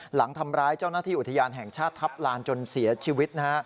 หลังทำร้ายเจ้าหน้าที่อุทยานแห่งชาติทัพลานจนเสียชีวิตนะฮะ